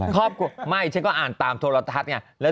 ครอบครัวไม่ฉันก็อ่านตามโทรทัศน์ไง